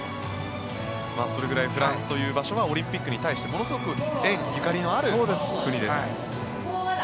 それぐらいフランスという場所はオリンピックに対してものすごく縁、ゆかりのある国です。